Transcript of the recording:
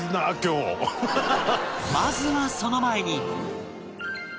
まずはその前に